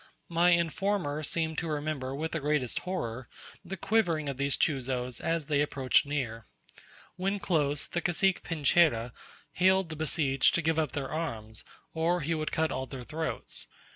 My informer seemed to remember with the greatest horror the quivering of these chuzos as they approached near. When close, the cacique Pincheira hailed the besieged to give up their arms, or he would cut all their throats.